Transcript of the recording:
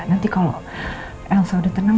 nanti kalau elsa udah tenang